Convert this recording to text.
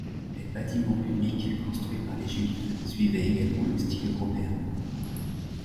Les bâtiments publics construits par les juifs suivaient également le style européen.